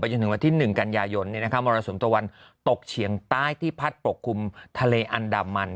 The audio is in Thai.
จนถึงวันที่๑กันยายนมรสุมตะวันตกเฉียงใต้ที่พัดปกคลุมทะเลอันดามัน